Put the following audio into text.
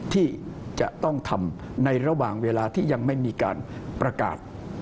ที่จะต้องทำในระหว่างเวลาที่ยังไม่มีการประกาศ